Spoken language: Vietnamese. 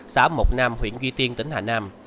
xã mộc nam huyện duy tiên tỉnh hà nam